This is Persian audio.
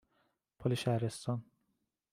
پل شهرستان